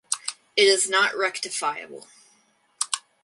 It is not rectifiable.